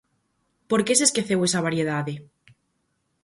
Por que se esqueceu esa variedade?